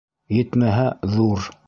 Етмәһә, ҙур!